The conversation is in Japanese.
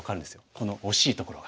このおしいところが。